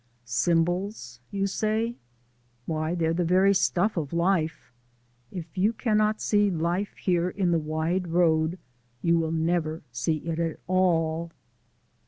Symbols, you say? Why, they're the very stuff of life. If you cannot see life here in the wide road, you will never see it at all.